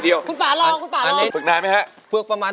เดี๋ยวมีเเชือกอะไรตรงไหนไหม